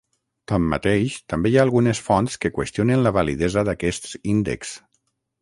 Tanmateix, també hi ha algunes fonts que qüestionen la validesa d'aquests índexs.